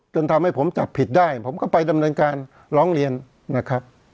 จนทำให้ผมจับผิดได้ผมก็ไปดำเนินการร้องเรียนนะครับ